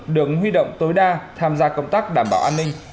được huy động tối đa tham gia công tác đảm bảo an ninh